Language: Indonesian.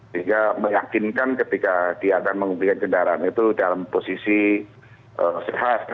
sehingga meyakinkan ketika dia akan menghentikan kendaraan itu dalam posisi sehat